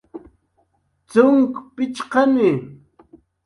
cxunk pichqani